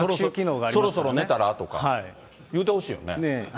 そろそろ寝たら？とか言うてほしいよね。